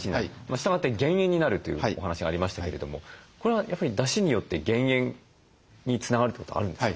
したがって減塩になるというお話がありましたけれどもこれはやっぱりだしによって減塩につながるってことがあるんですか？